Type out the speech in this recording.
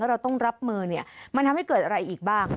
เราต้องรับมือเนี่ยมันทำให้เกิดอะไรอีกบ้าง